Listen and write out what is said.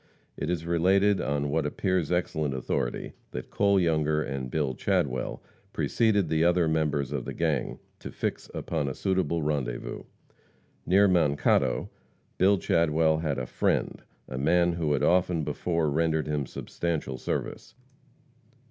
It is related, on what appears excellent authority, that Cole Younger and Bill Chadwell preceded the other members of the gang, to fix upon a suitable rendezvous. Near Mankato, Bill Chadwell had "a friend," a man who had often before rendered him substantial service.